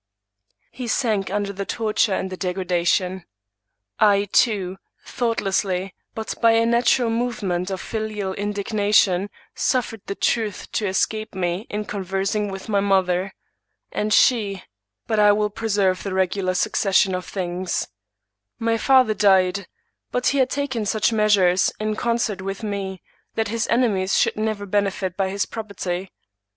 *' He sank under the torture and the degradation. I, too^ thoughtlessly, but by a natural movement of filial indigna tion, suffered the truth to escape me in conversing with my^ mother. And she ; but I will preserve the regular suc cession of things. My father died ; but he had taken such measures, in concert with me, that his enemies should never benefit by his property.